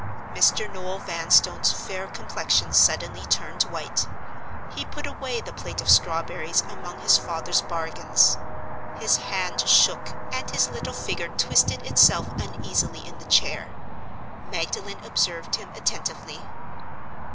Mr. Noel Vanstone's fair complexion suddenly turned white. He put away the plate of strawberries among his father's bargains. His hand shook and his little figure twisted itself uneasily in the chair. Magdalen observed him attentively.